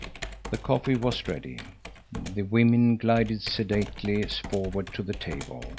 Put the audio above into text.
The coffee was ready. The women glided sedately forward to the table.